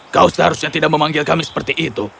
kau seharusnya tidak memanggil kami seperti itu